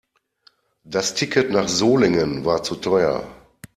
Das Ticket nach Solingen war zu teuer